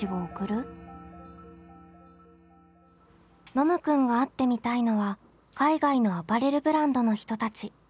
ノムくんが会ってみたいのは海外のアパレルブランドの人たち。